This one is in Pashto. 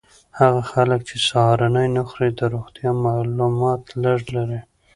هغه خلک چې سهارنۍ نه خوري د روغتیا مالومات لږ لري.